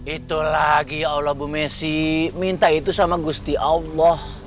itu lagi ya allah bumesi minta itu sama gusti allah